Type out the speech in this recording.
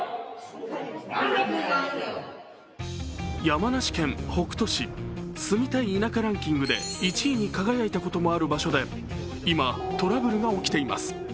山梨県北杜市、住みたい街ランキングで１位に輝いたこともある場所で今、トラブルが起きています。